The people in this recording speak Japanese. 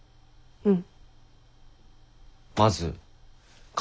うん。